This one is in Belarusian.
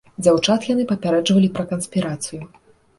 Дзяўчат яны папярэджвалі пра канспірацыю.